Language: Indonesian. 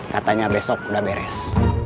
katanya besok udah beres